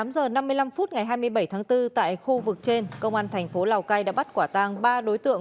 tám giờ năm mươi năm phút ngày hai mươi bảy tháng bốn tại khu vực trên công an thành phố lào cai đã bắt quả tang ba đối tượng